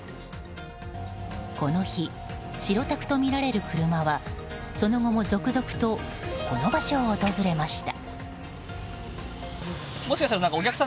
この日、白タクとみられる車はその後も、続々とこの場所を訪れました。